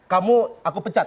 kamu aku pecat